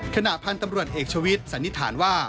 ขณะพันธุ์ตำรวจเอกชวิตสันนิษฐานว่า